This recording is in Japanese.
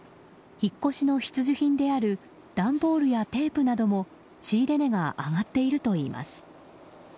引っ越しの必需品である段ボールやテープなども仕入れ値が上がっているといいます。